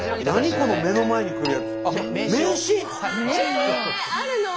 この目の前に来るやつ。